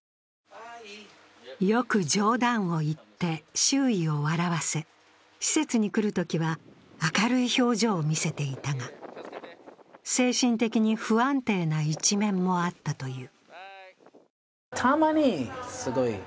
よく冗談を言って、周囲を笑わせ施設に来るときは明るい表情を見せていたが、精神的に不安定な一面もあったという。